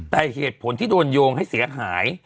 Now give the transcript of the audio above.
แต่เหตุผลที่โดนโยงให้เสียหาย